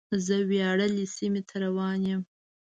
زه وياړلې سیمې ته روان یم.